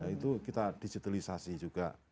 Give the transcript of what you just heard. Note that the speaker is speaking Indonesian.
itu kita digitalisasi juga